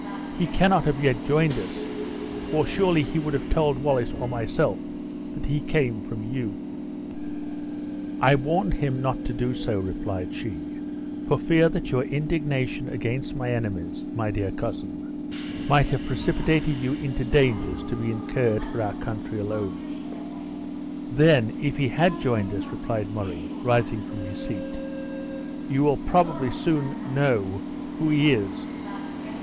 He cannot have yet joined us, for surely he would have told Wallace or myself that he came from you?" "I warned him not to do so," replied she, "for fear that your indignation against my enemies, my dear cousin, might have precipitated you into dangers to be incurred for our country only." "Then, if he had joined us," replied Murray, rising from his seat, "you will probably soon known who he is.